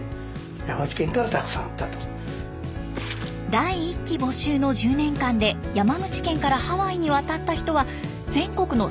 第１期募集の１０年間で山口県からハワイに渡った人は全国の３分の１。